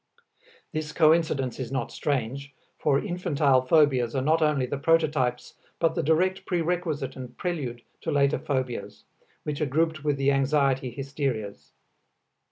This coincidence is not strange, for infantile phobias are not only the prototypes but the direct prerequisite and prelude to later phobias, which are grouped with the anxiety hysterias.